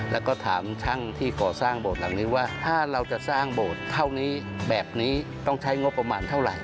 แล้วก็ถามช่างที่ก่อสร้างโบสถ์หลังนี้ว่าถ้าเราจะสร้างโบสถ์เท่านี้แบบนี้ต้องใช้งบประมาณเท่าไหร่